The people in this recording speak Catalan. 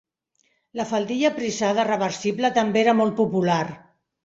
La faldilla prisada reversible també era molt popular.